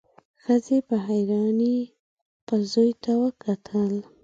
ښځې په حيرانۍ خپل زوی ته وکتل.